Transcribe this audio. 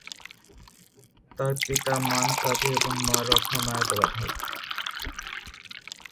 তার পিতা মান কাজি এবং মা রত্ন মায়া তুলাধর।